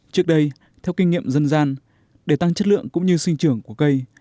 trước đây theo kinh nghiệm dân gian để tăng chất lượng cũng như sinh trưởng của cây